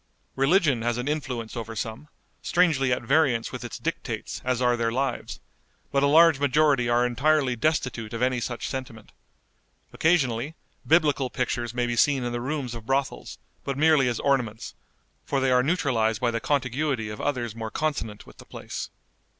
Religion has an influence over some, strangely at variance with its dictates as are their lives, but a large majority are entirely destitute of any such sentiment. Occasionally, Biblical pictures may be seen in the rooms of brothels, but merely as ornaments, for they are neutralized by the contiguity of others more consonant with the place.